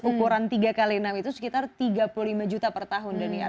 ukuran tiga x enam itu sekitar tiga puluh lima juta per tahun daniar